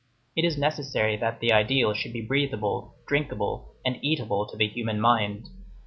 It is necessary that the ideal should be breathable, drinkable, and eatable to the human mind.